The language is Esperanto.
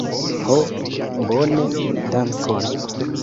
Ho, bone, dankon.